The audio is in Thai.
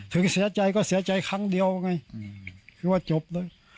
ถึงเสียใจก็เสียใจครั้งเดียวไงคือว่าจบเลย